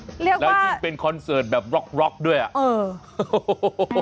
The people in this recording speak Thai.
เรียกว่าและที่เป็นคอนเสิร์ตแบบร็อกด้วยอะเออ